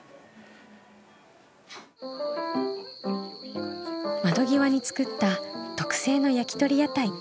窓際に作った特製の焼き鳥屋台。